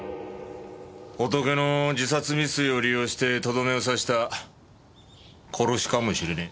ホトケの自殺未遂を利用してとどめを刺した殺しかもしれねえ。